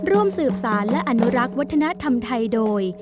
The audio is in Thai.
ร่วมสืบสารและอนุรักษ์วัฒนธรรมไทยโดย